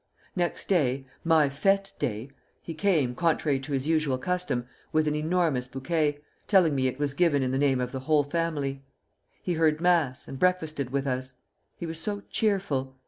Next day my fête day he came, contrary to his usual custom, with an enormous bouquet, telling me it was given in the name of the whole family. He heard mass, and breakfasted with us. He was so cheerful.